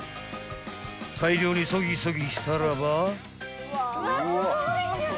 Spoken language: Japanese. ［大量にそぎそぎしたらば］